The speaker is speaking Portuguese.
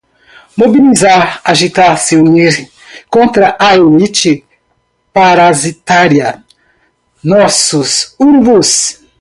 Mobilizar, agitar, se unir, contra a elite parasitária, nossos urubus